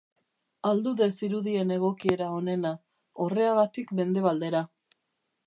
Aldude zirudien egokiera onena, Orreagatik mendebaldera.